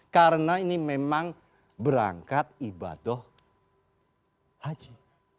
karena ini memang berangkat ibadah haji